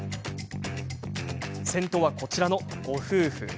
先頭は、こちらのご夫婦。